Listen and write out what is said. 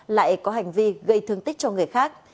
lại có hành vi gây thương tích cho người khác